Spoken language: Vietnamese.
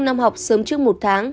năm học sớm trước một tháng